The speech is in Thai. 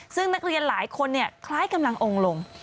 ซึ่งนักเรียนหลายคนคล้ายกำลังองค์ลง